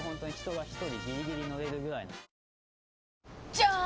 じゃーん！